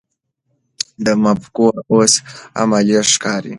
دا مفکوره اوس عملي ښکاري.